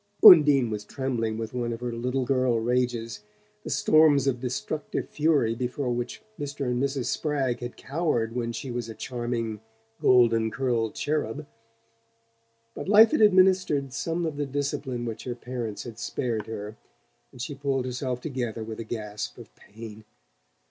Undine was trembling with one of her little girl rages, the storms of destructive fury before which Mr. and Mrs. Spragg had cowered when she was a charming golden curled cherub. But life had administered some of the discipline which her parents had spared her, and she pulled herself together with a gasp of pain.